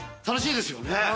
楽しいですよね？